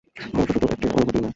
ভালোবাসা শুধু একটা অনুভূতিই না।